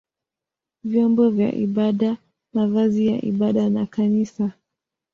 vyombo vya ibada, mavazi ya ibada na kanisa.